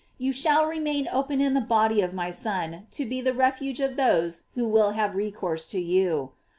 You shall remain open in the body of my Son, to be the refuge of those who will have recourse to you.